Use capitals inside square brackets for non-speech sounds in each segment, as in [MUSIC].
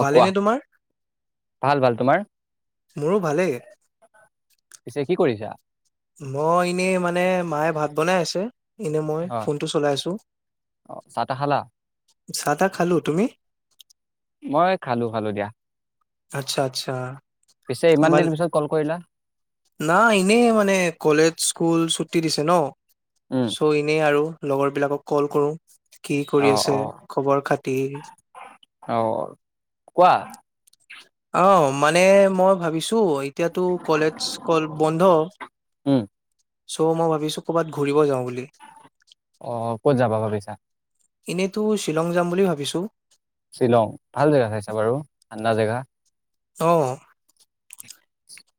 অ', কোৱা ভালেনে তোমাৰ? ভাল ভাল, তোমাৰ? মোৰো ভালেই। পিছে কি কৰিছা। মই এনেই মানে মায়ে ভাত বনাই আছে। এনে মই অ ফোনটো চলাই আছো, অ চাহ তাহ খালা চাহ তাহ খালো, তুমি? মই খালো খালো দিয়া আচ্ছা, আচ্ছা। পিছে ইমান দিন মানে পিছত কল কৰিলা নাই এনেই মানে কলেজ স্কুল চুতি তি দিছে ন' উম চ' এনেই আৰু লগৰ বিলাকক ক'ল কৰোঁ। কি কৰি অ আছে, অ খবৰ খাতি? অ কোৱা অ', মানে মই ভাবিছো তো এতিয়াতো কলেজ স্কুল বন্ধ উম চ' মই ভাবিছো কৰ'ৰবাত ঘূৰিব যাওঁ বুলি। অ', ক'ত যাবা ভাবিছা? এনেইতো শ্বিলং যাম বুলি ভাবিছো। শ্বিলং, ভাল জেগা চাইছা বাৰু। ঠাণ্ডা জেগা। অ'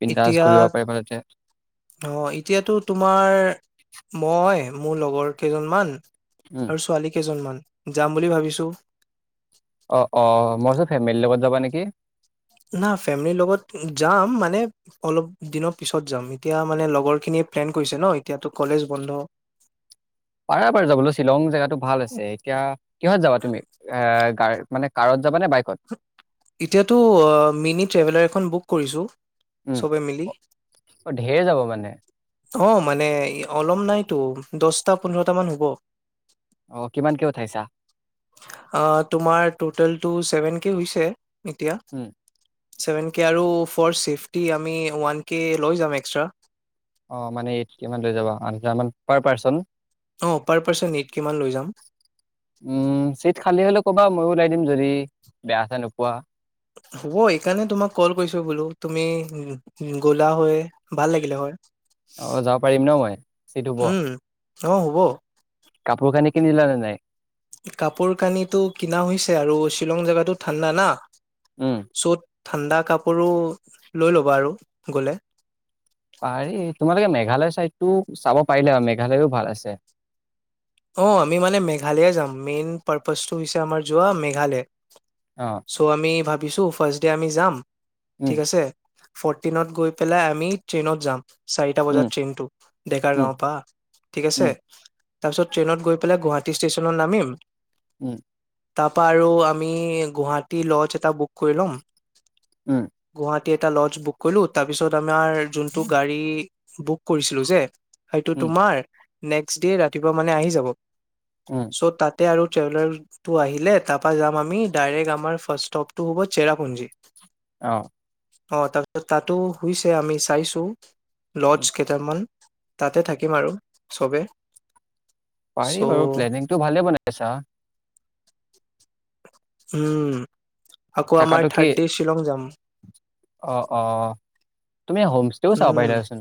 বিন্দাছ এতিয়া ঘূৰিব পাৰিবা তাতে অ', এতিয়াতো তোমাৰ মই মোৰ লগৰ কেইজনমান উম আৰু ছোৱালী কেইজনমান। যাম বুলি ভাবিছোঁ। অ', অ', মই ভাবিছোঁ ফেমিলিৰ লগত যাবা নেকি? না ফেমিলিৰ লগত যাম মানে অলপ দিনৰ পিছত যাম এতিয়া মানে লগৰ খিনিয়ে প্লেন কৰিছে ন এতিয়াটো কলেজ বন্ধ। পাৰা বাৰু যাবলৈ শ্বিলং জেগাটো ভাল আছে এতিয়া কিহত যাবা তুমি? এ গাড় মানে কাৰত যাবা নে বাইকত? এতিয়াতো আ, মিনি ট্ৰেভেলাৰ এখন বুক কৰিছো। উম, চবে মিলি অ', ঢেৰ যাব মানে। অ', মানে অলম নাইতো দছটা, পোন্ধৰটা মান হ'ব। অ', কিমান কে উঠাইছা? অ', তোমাৰ টটেলটো ছেভেন কে হৈছে। এতিয়া। উম ছেভেন কে আৰু ফ'ৰ চিফটি আমি ওৱান কে লৈ যাম এক্সট্ৰা। অ', মানে [UNINTELLIGIBLE] লৈ যাবা আ, পাৰ পাৰ্চন। অ পাৰ পাৰ্চন এইট কে মান লৈ যাম উম, চিট খালী হ'লে কবা ময়ো ওলাই দিম যদি বেয়া চ' নোপোৱা। হ'ব এইকাৰণে তোমাক ক'ল কৰিছো বোলো তুমি গ'লা হৈ, ভাল লাগিলে হয়। অ', যাব পাৰিম ন' মই চিট হ'ব। উম অ', হ'ব। কাপোৰ কানি কিনিলা নে নাই? কাপোৰ কানিটো কিনা হৈছে আৰু শ্বিলং জাগাটো ঠাণ্ডা না উম। চ'ত ঠাণ্ডা কাপোৰো লৈ ল'বা আৰু গ'লে। পাৰি তোমালোকে মেঘালয় চাইডটো চাব পাৰিলে আৰু মেঘালয়ো ভাল আছে। অ', আমি মানে মেঘালয়ে যাম মেইন পাৰ্পচটো হৈছে আমাৰ যোৱা মেঘালয়। অ চ' আমি ভাবি ভাবিছো ফাৰ্ষ্ট ডে আমি যাম। উম ঠিক আছে। ফ'ৰ্টিনত গৈ পেলাই আমি ট্ৰেইনত যাম। চাৰিটা বজাত উম ট্ৰেইনতটো ডেকাৰ উম গাঁওৰ পৰা, ঠিক আছে। উম তাৰপিছত ট্ৰেইনত গৈ পেলাই গুৱাহাটী ষ্টেচনত নামিম। উম। তাৰপা আৰু আমি গুৱাহাটী ল'জ এটা বুক কৰি লম। উম গুৱাহাট এটা লজ বুক কৰিলো, তাৰপিছত আমাৰ যোনটো গাড়ী বুক কৰিছিলো যে সেটো উম তোমাৰ নেক্সট ডে ৰাতিপুৱা মানে আহি যাব। উম চ' তাতে আৰু [UNINTELLIGIBLE] আহিলে তা পা যাম আমি ডাইৰেক্ট আমাৰ ফাষ্ট ষ্টপটো হ'ব, চেৰাপুঞ্জী। অহ। অ', তা তাতো হোইছে আমি চাইছো। লজ উম কেইটামন তাতে থাকিম আৰু চবে চ' পাৰি বাৰু প্লেনিংটো ভালে বনাইছা উম আকৌ আমাৰ থাকাটো কি থাৰ্ড ডে শ্বিলং যাম অ অ অ তুমি হমষ্টেও চাাব উম পাইিলচোন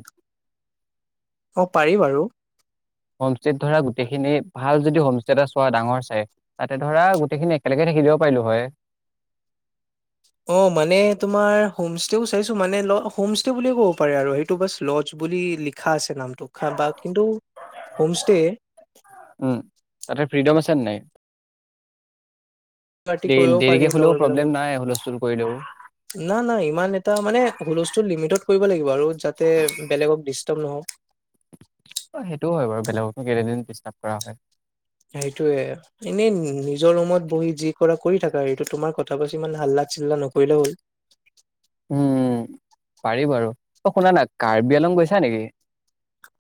অ পাৰি বাৰু হোমষ্টত ধৰা গোটেইখিনি ভাল যদি হোমষ্টে এটা চোৱা ডাঙৰ চাই তাতে ধৰা গোটেইখিনি একেলগে থাকিলিবও পাৰিলো হয় অ মানে তোমাৰ হোমষ্টেও চাইছো মানে হোম ষ্টে বুলিয়ে ক'ব পাৰে আৰু সেইটো বাছ লজ বুলি লিখা আছে নামটো বা কিন্তু হোমষ্টেয় উম তাতে ফ্ৰীডম আছে নাই পাটি দে কৰিব পাৰি দেৰিকে হলেও লগৰ প্ৰব্লেম বিলাকৰ নাই হুলস্থুল কৰিলেও না না ইমান এটা মানে হুলস্তোল লিমিতট কৰিব হিব লাগিব আৰু যাতে বেলেকৰ দিস্তাব নহয় অ সেইটোও হয় বাৰু বেলেগকো কেইদিন ডিষ্টাৰ্ব কৰা হয় সেইটোয়ে এনেই নিজৰ ৰুমত বহি যি কৰা কৰি থাকা এইটো তোমাৰ কথা পাছ ইমান হাল্লা চিল্লা নকৰিলে হ'ল উম পাৰি বাৰু অ শুনা না কাৰ্বি আলং গৈছা নেকি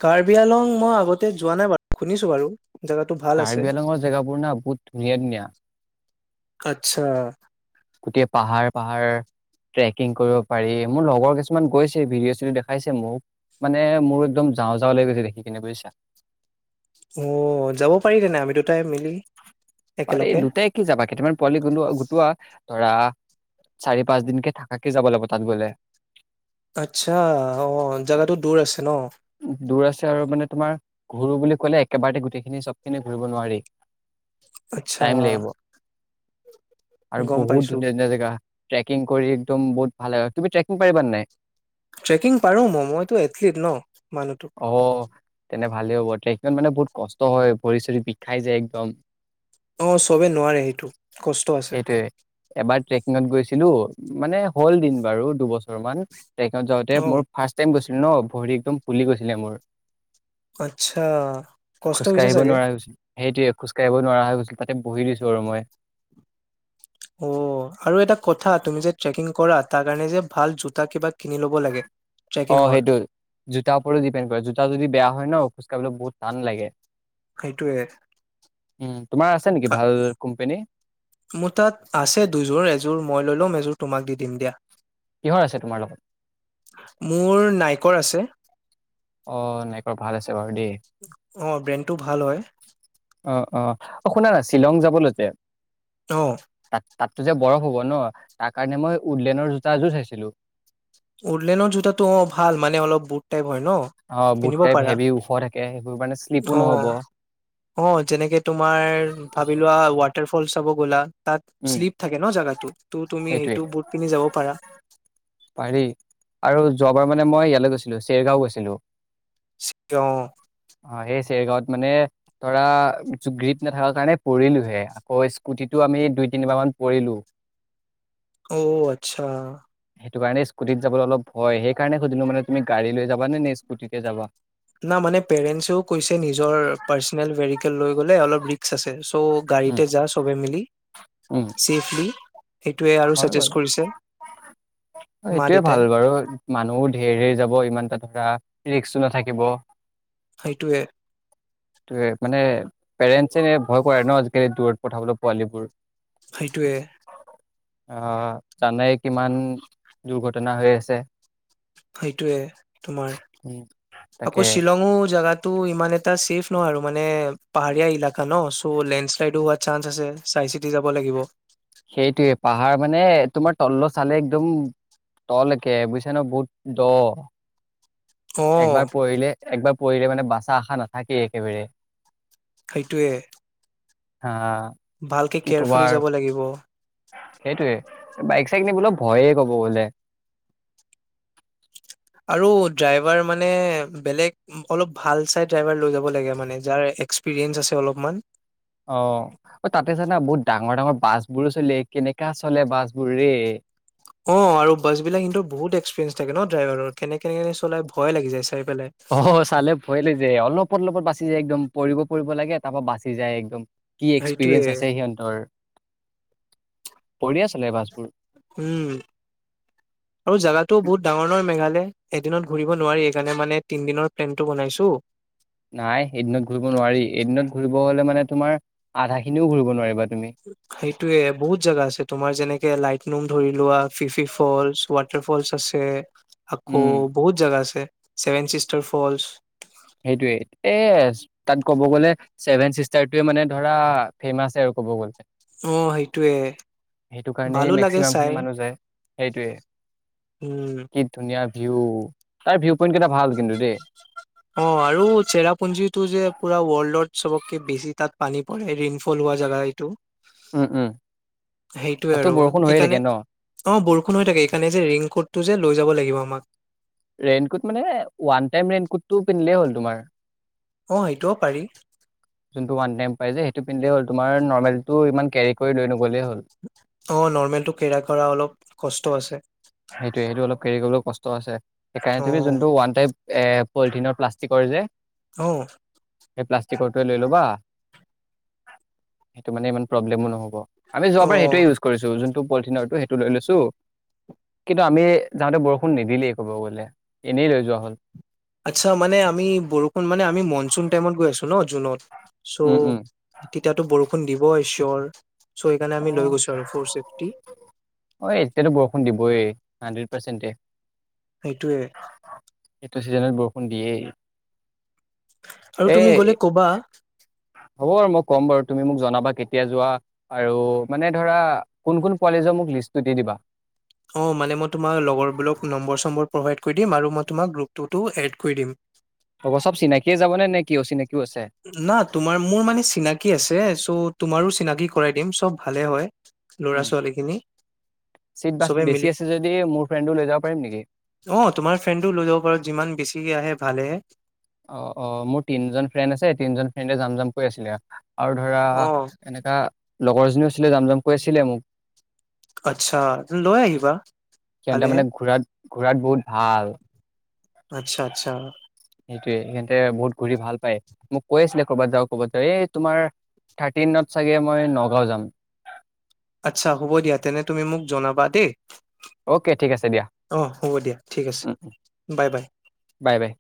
কাৰ্বি আলং মই আগতে যোৱা নাই বাৰু শুনিছো বাৰু জেগাটো ভাল আছে কাৰ্বি আলঙৰ জেগাবোৰ না বহুত ধুনীয়া ধুনীয়া আচ্ছা গোটেই পাহাৰ পাহাৰ ট্ৰেকিং কৰিব পাৰি মোৰ লগৰ কিছুমান গৈছে ভিডিঅ' চিডিঅ' দেখাইছে মোক মানে মোৰ একদম যাওঁ যাওঁ ল গৈছে দেখি কিনে বুজিছা অ যাব পাৰি তেনেহলে আমি দুটাই মিলি পাৰি একেলগে দুটাই কি যাবা কেইটামান পোৱালি গোটোৱা গোটোৱা ধৰা চাৰি পাঁচ দিনকে থাকাকে যাব লাগিব তাত গলে আচ্ছা আহ জাগো দূৰ আছে ন দূৰ আছে আৰু মানে তোমাৰ ঘূৰো বুলি কলে একেবাৰতে গোটেইখিনি চবখিনি ঘূৰিব নোৱাৰি আচ্ছা টাইম লাগিব আৰু গম বহুত পাইছো। ধুনীয়া ধুনীয়া জেগা টেকিং কৰি একদম বহুত ভাল হয় তুমি টৈকিং পাৰিবা নাই ট্ৰেকিং পাৰোঁ ম মইতো এথলিট ন মানুহটো ই মানে বহুত কষ্ট হয় ভৰি চৰি বিষাই যায় একদম অ চবে নোৱাৰে সেইটো কষ্ট আছে ত গৈছিলো মানে হ'ল দিন বাৰু দুবছৰ মান টেকাট যাওঁতেই অ' মই ফাষ্ট টাইম গৈছো ন ভৰি একদম পুলি গৈছিলে মোৰ আচ্ছা কষ্ট হৈছে খোজকাাঢ়িব চাগে নোৱাৰা হৈ হৈছে সেইটোয়ে খোজকাাঢ়িব নোৱাৰা তাতে বহি দিছো আৰু মই। অ', আৰু এটা কথা তুমি যে, ট্ৰেকিং কৰাত তাৰ কাৰণে যে, ভাল জোতা কিবা কিনি ল'ব লাগে। অ', ট্ৰেকিঙৰ সেইটো জোতাৰ ওপৰত ডিপেণ্ড কৰে জোতা যদি বেয়া হয়, ন খোজ কাঢ়িবলৈ বহুত টান লাগে। সেইটোৱে। উম তোমাৰ আছে নেকি ভাল কোম্পেনী মোৰ তাত আছে দুযোৰ। এযোৰ মই লৈ লম এযোৰ তোমাক দি দিম দিয়া। কিহৰ আছে তোমাৰ লগত মোৰ নাই ক' আছে, অ নাইকৰ ভাল আছে বাৰু দেই অ' ব্ৰেইনটো ভাল হয়। অ' অ' অ' শুনা না শ্বিলং যাবলৈ আহ তাতো যে বৰফ হ'ব ন তাৰ কাৰণে মই উদলেনৰ জোতা এযোৰ চাইছিলো। উদলেনৰ জুতা তো ভাল মানে অলপ বুট টাইপে হয় ন! অ বুট পিন্ধিব টাইপ পাৰা হেভি ওখ থাকে সেইবোৰ মানে শ্লিপো নহ'ব অ' অ' যেনেকে তোমাৰ ভাবি লোৱা ৱাটাৰ ফল চব গ'লা তাত উম শ্লিপ থাকে ন জেগা। তাটো তুমি সেইটোৱে সেইটো বুট পিন্ধি যাব পাৰা। পাৰি আৰু যোৱাবাৰ মানে মই ইয়ালৈ গৈছিলো, চেৰগাঁও গৈছিলো। অ', চৰগাঁৱত মানে তৰা গ্ৰীপ নাথাকা কাৰণে পৰিলোহে, আকৌ স্কুটিটো আমি দুই তিনিবাৰ মান পৰিলো। অ' আচ্ছা সেইটো কাৰণে স্কুটিত যাব, অলপয সেই কাৰণে সুধিলো মানে তুমি গাড়ী লৈ যোৱা স্কুটিতে যা না মানে পেৰেন্টছেও কৈছে নিজৰ পাৰ্চনেল লৈ ভেহিকেল গ'লে অলপ ৰিকচ আছে। ত' উম গাড়ীতে যা, চবে মিলি উম চছেলি সেইটোৱে আৰু হয় ছাজেষ্ট বাৰু কৰিছে। মা এইটোয়ে দেউতাই ভাল বাৰু মানুহো যাব ইমানটা ধৰা। ৰিক্স সেইটোৱে। ত' মানে পেৰেন্টচ ভয় কৰে ন' আজিকালি দূৰত পঠাবলৈ পোৱালীবোৰ। সেইটোৱে। আহ, জানাই কিমান দুৰ্ঘটনা হৈ আছে। সেইটোৱে তোমাৰ উম, তাকে আকৌ শ্বিলঙো জেগাতটো ইমান এটা ছেফ ন' আৰু মানে পাহাৰীয়া এলেকা ন চ' লেণ্ড শ্লাইডো হোৱাৰ চান্স আছে, চাই চিতি যাব লাগিব। সেইটোৱে পাহাৰ মানে তোমাৰ তললৈ চালে একদম তল একে বুজিছা ন' বহুত দ'। অ একবাৰ পৰিলে একবাৰ পৰিলে মানে বাচা আশা নাথাকেই একেবাৰে সেইটোৱে অ ভালকে কেয়াৰফুলি যাব লাগিব সেইটোয়ে বাইক চাইক নিবলে ভয়ে কব বোলে আৰু ড্ৰাইভাৰ মানে বেলেগ অলপ ভাল চাই ড্ৰাইভাৰ লৈ যাব লাগে মানে যাৰ এক্সপিৰিয়েঞ্চ আছে অলপমান অ অ তাতে জানা বহুত ডাঙৰ ডাঙৰ বাছ বোৰো চলি কেনেকা চলে বাছ বোৰ ৰে অ আৰু বাছ বিলাক কিন্তু বহুত এক্সপিৰিয়েন্ঞ্চ থাকে ন ড্ৰাইভাৰৰ কেনেকে চলাই ভয় লাগি যাই অ অ চালে ভয় লাগ যে অলপ লপত লপত বাচি যায় একদম পৰিব পৰিব লাগে তাৰ পৰা বাচি যায় একদম কি সেইটোয়ে এক্সপিৰিয়েঞ্চ আছে সিহঁতৰ বঢ়িয়া চলে বাছবোৰ উম। আৰু জাগাটো বহুত ডাঙৰ ডাঙৰ মেঘালয় এদিনত ঘূৰিব নোৱাৰি এইকাৰণে মানে তিনদিনৰ প্লেনটো বনাইছো নাই এদিনত ঘুৰিব নোৱাৰি এদিনত ঘূৰিব হলে মানে তোমাৰ আধা খিনিও ঘূৰিব নোৱাৰিব সেইটোয়ে বহুত জেগা আছে তোমাৰ যেনেকে লাইট নুম ধৰি লোৱা ফিফি ফলছ ৱাটাৰ ফলছ আছে আকৌ উম, বহুত জেগা আছে ছেভেন চিষ্টাৰ ফলছ সেইটোয়ে এ তাত ক'ব গ'লে ছেভেন চিষ্টাৰটোৱে মানে ধৰা ফেমাছে আৰু ক'ব গ'লে উ সেইটোৱে। সেইটো কাৰণেই ভালো লাগে মেক্সিমাম খিনি চাই। মানুহ যায় সেইটোয়ে। উম কি ধুনীয়া ভিউ তাৰ ভিউ পইণ্ট কেইটা ভাল কিন্তু দেই অ আৰু চেৰাপুঞ্জীটো যে পুৰা ৱৰ্ল্ড চবতকে বেছি তাত পানী পৰে ৰেইণ-ফল হোৱা জেগা এইটো উম উম সেইটোয়ে তাতো আৰু বৰষুণ হৈয়ে থাকে এইকাৰণে। ন অ বৰষুণ হৈ থাকে এইকাৰণে যে ৰেইনকোট টো যে লৈ যাব লাগিব আমাক ৰেইনকোট মানে ওৱান টাইম ৰেইনকোটটো পিন্ধিলেই হ'ল তোমাৰ অ সেইটোও পাৰি যোনটো ওৱান-চাইম পাইযে পিন্ধেই হ'ল তোমাৰ নৰ্মমেলটো ইমান কেৰি কৰি লৈ নু অ নৰৰ্মেলটো কে় কৰা অলপ কষ্ট আছে সেইটোৱে সেইটো অলপ কেৰি কৰিবলৈ কষ্ট আছে সেইকাৰণে তুমি অ', যোনটো ওৱান টাইম এ পলিথিনৰ প্লাষ্টিকৰ যে অ এই প্লাষ্টিকত লৈ ল'বা সেইটো মানে ইমান প্ৰব্লেমো নহ'ব আমি যোৱাবাৰ অ', সেইটোৱে ইউজ কৰিছোঁ যোন পলিথিনৰটো সেইটো লৈ লৈছো কিন্তু আমি যাওঁতে বৰষুণ নিদিলেই ক'ব গ'লে, এনেই লৈ যোৱা হ'ল আচ্ছা মানে আমি বৰষুণ মানে আমি মনচুন টাইমত গৈ আছো ন, জুনত। চ' উম উম তেতিয়াতো বৰষুণ ষুণ দিবয়ে ছ্যৰ। আহ অ এতিয়াতো বৰষুণ দিবইে হানড্ৰেড পাৰ্চেণ্টে। সেইটোয়ে এইটো চিজনত বৰষুণ দিয়েই। আৰু এ তুমি গ'লে ক'বা হ'ব বাৰু, মই কম বাৰু। তুমি মোক জনাবা কেতিয়া যোৱা আৰু মানে ধৰা কোন কোন কলেজৰ মোক লিষ্টটো দি দিবা। অ মানে মই তোমাৰ লগৰবোৰক নম্বৰ [UNINTELLIGIBLE] অব চব চিনাকিয়ে যাব নে, নে কি অচিনাকি? না তোমাৰ মোৰ মানে চিনাকি আছে, চ' তোমাৰো চিনাকি কৰাই দিম চব ভালে হয়। লৰা উম ছোৱালী খিনি চিট বাছ চবে বেছি মিলি আছে যদি মোৰ ফ্ৰেণ্ডো লৈ যাব পাৰিম নেকি অ তোমাৰ ফ্ৰেণ্ডো লৈ যাব পাৰো যিমান বেছিকে আহে ভালেহে। অ অ মোৰ তিনজন ফ্ৰেণ্ড আছে, তিনজন ফ্ৰেণ্ডে যাম জাম কৈ আছিলে। আৰু ধৰা অ এনেকা লগৰজনীও আছিলে, যাম জাম কৈ আছিলে মোক আচ্ছা লৈ আহিবা তেন্ত ভালেহে মানে ঘূৰাত, ঘূৰাত বহুত ভাল। আচ্ছা। আচ্ছা। সয়ায়ে বহুত ঘূৰি ভাল পায় মোক কৈ আছিলে ক'বাত যাও ক'বাত যাও এই তোমাৰ থাৰ্টিনত চাগে মই নগাও যাম। আচ্ছা হ'ব দিয়া তেনে তুমি মোক জনাবা দেই। অ'কে ঠিক আছে দিয়া অ হ'ব দিয়া ঠিক আছে, বাই বাই! Bye bye